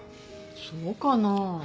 そうかな？